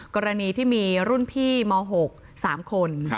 กรณีที่มีรุ่นพี่ม๖๓คน